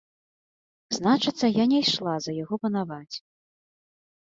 Значыцца, я не ішла за яго панаваць.